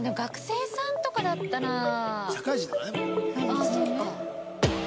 あっそっか。